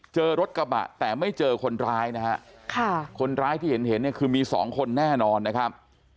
เจอรถกระบะแต่ไม่เจอคนร้ายนะฮะค่ะคนร้ายที่เห็นเนี่ยคือมีสองคนแน่นอนนะครับ